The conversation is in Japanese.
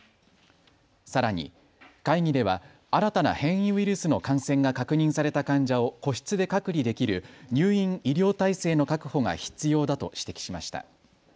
さらに、会議では新たな変異ウイルスの感染が確認された患者を個室で隔離できる入院医療体制の確保が必要だと指摘しました。